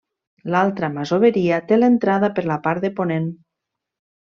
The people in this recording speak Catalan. L'altra masoveria té l'entrada per la part de ponent.